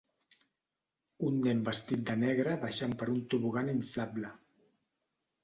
Un nen vestit de negre baixant per un tobogan inflable.